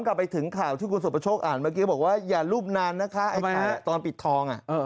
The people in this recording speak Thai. ถ้าถามที่คุณสุดประโชคอ่านเมื่อกี้บอกว่าอย่ารูปนานนะคะไอ้ขายตอนปิดทอง